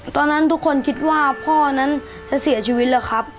ตอนนั้นทุกคนคิดว่าพ่อนั้นจะเสียชีวิตแล้วครับ